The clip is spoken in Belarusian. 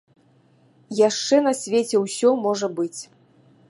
Яшчэ на свеце ўсё можа быць.